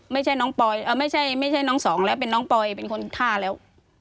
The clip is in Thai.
ไม่ใช่น้องสองแล้วเป็นน้องปอยเป็นคนท่าแล้ว